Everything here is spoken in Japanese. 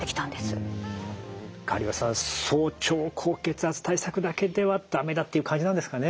苅尾さん早朝高血圧対策だけでは駄目だっていう感じなんですかね。